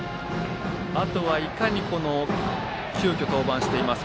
あとはいかに急きょ登板しています